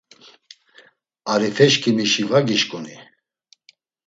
Arifeşǩimişi va gişǩuni?